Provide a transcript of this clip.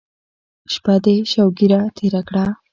شپه دې شوګیره تېره کړه.